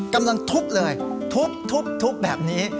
กำลังทุบเลยทุบแบบนี้